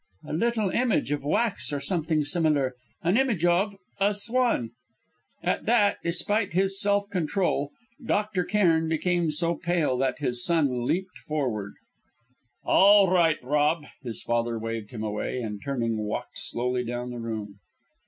"A little image, of wax or something similar an image of a swan." At that, despite his self control, Dr. Cairn became so pale that his son leapt forward. "All right, Rob," his father waved him away, and turning, walked slowly down the room.